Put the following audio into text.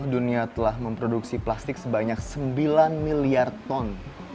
dunia telah memproduksi plastik sebanyak sembilan miliar ton